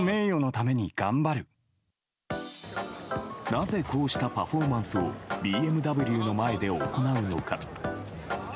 なぜこうしたパフォーマンスをＢＭＷの前で行うのか。